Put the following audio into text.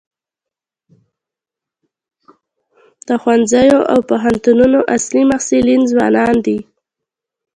د ښوونځیو او پوهنتونونو اصلي محصلین ځوانان دي.